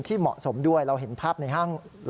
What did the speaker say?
เหมาะสมด้วยเราเห็นภาพในห้าง